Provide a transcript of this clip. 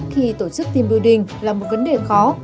với tổ chức team building là một vấn đề khó